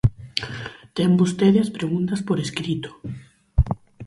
Ten vostede as preguntas por escrito.